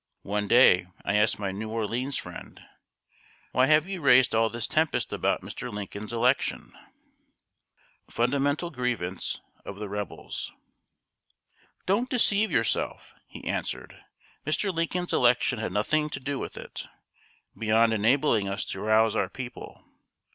One day I asked my New Orleans friend: "Why have you raised all this tempest about Mr. Lincoln's election?" [Sidenote: FUNDAMENTAL GRIEVANCE OF THE REBELS.] "Don't deceive yourself," he answered. "Mr. Lincoln's election had nothing to do with it, beyond enabling us to rouse our people.